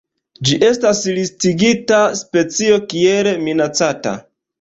Ĝi estas listigita specio kiel minacata.